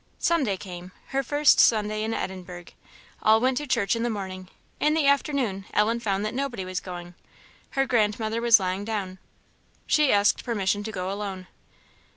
Sunday came her first Sunday in Edinburgh. All went to church in the morning; in the afternoon Ellen found that nobody was going; her grandmother was lying down. She asked permission to go alone.